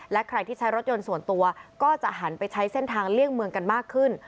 และใครที่ใช้รถยนต์ส่วนตัวก็จะหันไปใช้เส้นทางเลี่ยงเมืองกันมากขึ้น